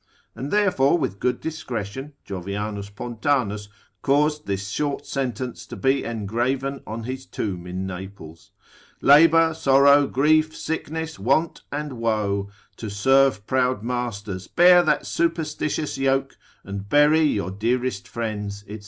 And therefore with good discretion, Jovianus Pontanus caused this short sentence to be engraven on his tomb in Naples: Labour, sorrow, grief, sickness, want and woe, to serve proud masters, bear that superstitious yoke, and bury your clearest friends, &c.